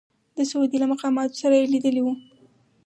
د سعودي له مقاماتو سره یې لیدلي وو.